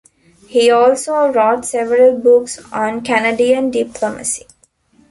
He also wrote several books on Canadian diplomacy.